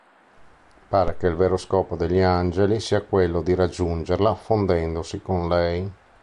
Pare che il vero scopo degli angeli sia quello di raggiungerla, fondendosi con lei.